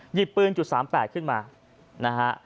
หยิบปืน๓๘ขึ้นมานะฮะ